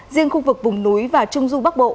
riêng khu vực vùng núi và trung du bắc bộ